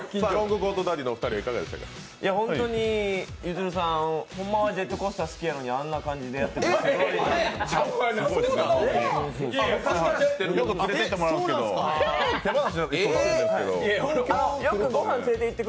河合さん、ほんまはジェットコースター好きやのにあんなふうにやってて。